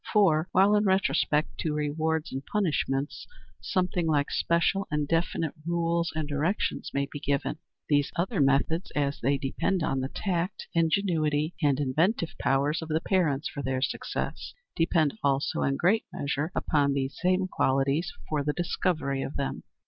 For, while in respect to rewards and punishments something like special and definite rules and directions may be given, these other methods, as they depend on the tact, ingenuity, and inventive powers of the parents for their success, depend also in great measure upon these same qualities for the discovery of them.